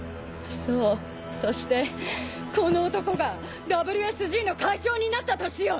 そうそしてこの男がＷＳＧの会長になった年よ！